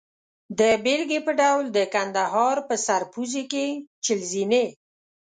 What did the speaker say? د بېلګې په ډول د کندهار په سرپوزي کې چهل زینې.